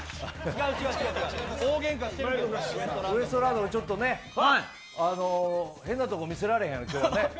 ウエストランドも、ちょっとね変なとこ見せられへんよね。